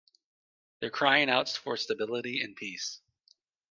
They're crying out for stability and peace.